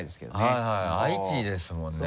はいはい愛知ですもんね。